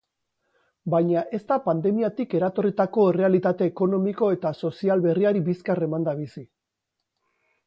Baina ez da pandemiatik eratorritako errealitate ekonomiko eta sozial berriari bizkar emanda bizi.